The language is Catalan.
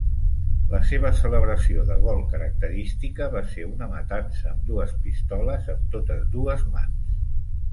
La seva celebració de gol característica va ser una matança amb dues pistoles amb totes dues mans.